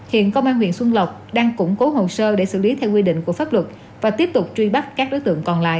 hiện công an huyện xuân lộc đang củng cố hồ sơ để xử lý theo quy định của pháp luật và tiếp tục truy bắt các đối tượng còn lại